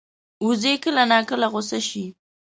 وزې کله ناکله غوسه شي